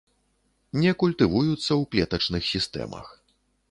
Не культывуюцца ў клетачных сістэмах.